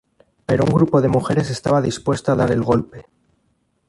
Pero un grupo de mujeres estaba dispuesto a dar el golpe.